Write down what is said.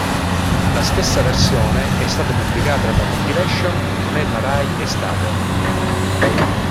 La stessa versione è stata pubblicata nella compilation "Non è la Rai estate".